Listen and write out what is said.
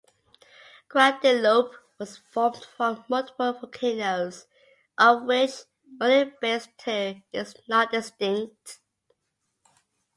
Guadeloupe was formed from multiple volcanoes, of which only Basse-Terre is not extinct.